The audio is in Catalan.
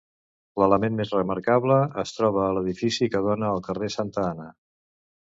L'element més remarcable es troba a l'edifici que dóna al carrer Santa Anna.